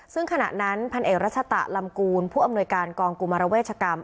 ซึ่งขณะนั้นพันเอกรัชตะลำกูลผู้อำนวยการกองกุมารเวชกรรม